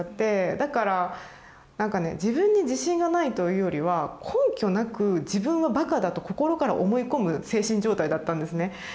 だからなんかね自分に自信がないというよりは根拠なく自分はバカだと心から思い込む精神状態だったんですね。